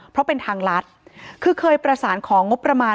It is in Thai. เพราะเป็นทางรัฐคือเคยประสานของงบประมาณ